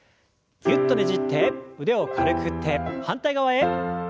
ぎゅっとねじって腕を軽く振って反対側へ。